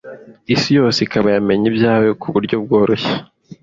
isi yose ikaba yamenya ibyawe ku buryo bworoshye